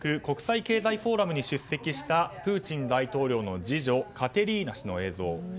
国際経済フォーラムに出席したプーチン大統領の次女カテリーナ氏の映像。